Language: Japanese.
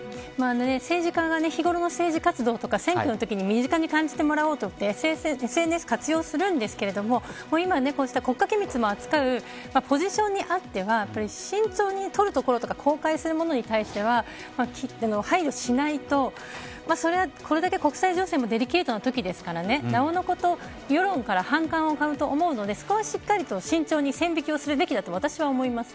政治家が日頃の活動とか選挙のときに、身近に感じてもらおうと思ってＳＮＳを活用するんですけど今こうした国家機密を扱うポジションにあっては慎重に撮る所とか公開に対しては配慮しないとこれだけ国際情勢もデリケートなときですからなおのこと世論から反感を買うと思うのでそこは慎重に線引きをするべきだと私は思います。